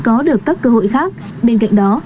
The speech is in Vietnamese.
có được các cơ hội khác bên cạnh đó